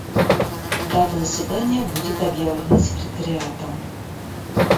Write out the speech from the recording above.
Дата заседания будет объявлена секретариатом.